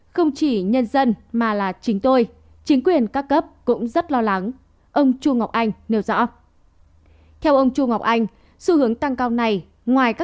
không chỉ nhân dân mà là chính tôi chính quyền các cấp cũng rất lo lắng